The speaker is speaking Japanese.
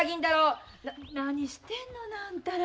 何してんのなあんたら。